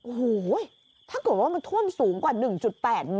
โอ้โหถ้าเกิดว่ามันท่วมสูงกว่า๑๘เมตร